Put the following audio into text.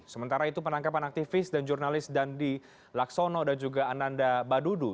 sementara itu penangkapan aktivis dan jurnalis dandi laksono dan juga ananda badudu